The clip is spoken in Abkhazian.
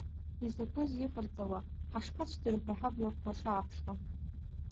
Изакәызеи иҟарҵауа, ҳашԥацәдырҳәуеи, ҳаблақәа шааԥшуа!